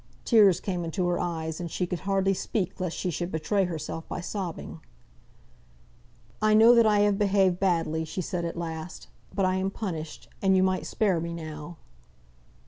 Tears came into her eyes, and she could hardly speak lest she should betray herself by sobbing. "I know that I have behaved badly," she said at last; "but I am punished, and you might spare me now!"